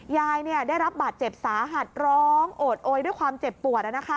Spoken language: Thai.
ยายได้รับบาดเจ็บสาหัสร้องโอดโอยด้วยความเจ็บปวด